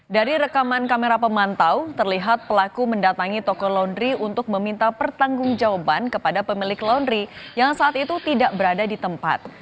dari rekaman kamera pemantau terlihat pelaku mendatangi toko laundry untuk meminta pertanggung jawaban kepada pemilik laundry yang saat itu tidak berada di tempat